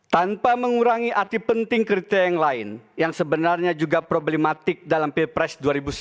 tanpa mengurangi arti penting kriteria yang lain yang sebenarnya juga problematik dalam pilpres dua ribu sembilan belas